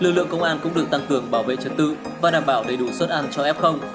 lực lượng công an cũng được tăng cường bảo vệ trật tự và đảm bảo đầy đủ suất ăn cho f